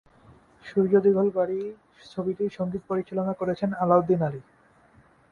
সূর্য দীঘল বাড়ী ছবিটির সংগীত পরিচালনা করেছেন আলাউদ্দিন আলী।